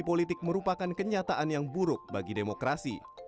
politik merupakan kenyataan yang buruk bagi demokrasi